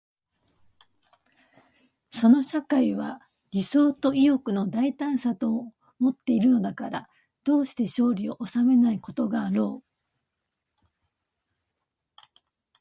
その社会は理想と意欲の大胆さとをもっているのだから、どうして勝利を収めないことがあろう。